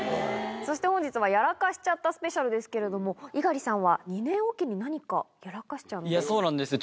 そして、本日はやらかしちゃったスペシャルですけれども、猪狩さんは２年置きに何かやらかしちゃうんですか。